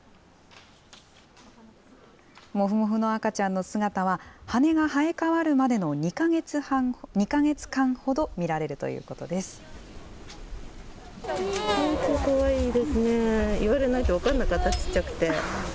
もふもふの赤ちゃんの姿は、羽が生え変わるまでの２か月間ほど見られるということです。